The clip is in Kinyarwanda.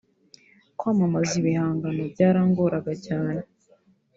kwamamaza ibihangano byarangoraga cyane